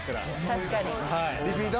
確かに。